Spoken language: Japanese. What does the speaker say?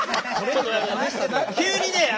急にね